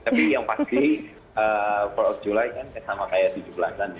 tapi yang pasti empat th of july kan sama kayak tujuh belasan